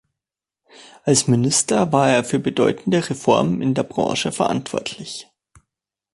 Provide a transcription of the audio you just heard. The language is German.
Als Minister war er für bedeutende Reformen in der Branche verantwortlich.